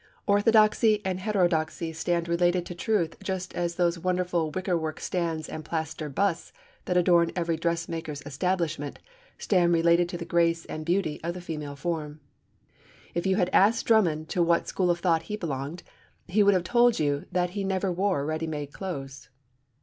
Orthodoxy and heterodoxy stand related to truth just as those wonderful wickerwork stands and plaster busts that adorn every dressmaker's establishment stand related to the grace and beauty of the female form. If you had asked Drummond to what school of thought he belonged, he would have told you that he never wore ready made clothes.